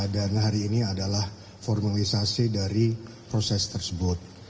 dan hari ini adalah formalisasi dari proses tersebut